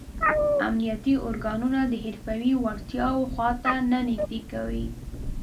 امنیتي ارګانونه د حرفوي وړتیاو خواته نه نږدې کوي.